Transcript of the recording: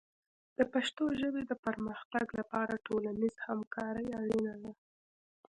د پښتو ژبې د پرمختګ لپاره ټولنیز همکاري اړینه ده.